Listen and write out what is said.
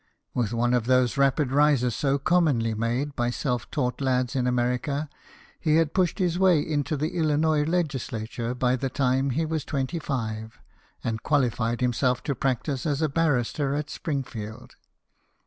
With one of those rapid rises so commonly made by self taught lads in America, he had pushed his way into the Illinois legislature by the time he was twenty five, and qualified himself to practise as a 154 BIOGRAPHIES OF WORKING MEN. barrister at Springfield.